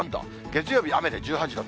月曜日、雨で１８度。